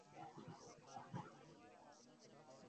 تو چند ماہ میں عدلیہ میں بھی تبدیلی آ چکی ہو گی۔